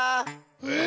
え！